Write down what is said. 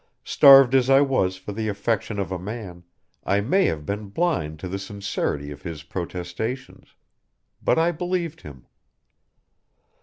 Starved as I was for the affection of a man, I may have been blind to the sincerity of his protestations. But I believed him.